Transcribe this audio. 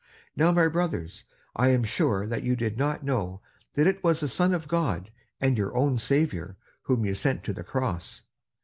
Now, my brothers, I am sure that you did not know that it was the Son of God and your own Saviour whom you sent to the cross.